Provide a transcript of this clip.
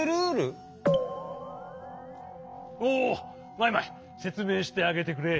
マイマイせつめいしてあげてくれ。